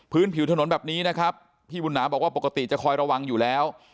ผิวถนนแบบนี้นะครับพี่บุญหนาบอกว่าปกติจะคอยระวังอยู่แล้ว